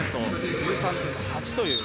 １３分の８という。